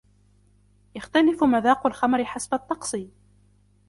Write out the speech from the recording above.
يختلف مذاق الخمر حسب الطقس.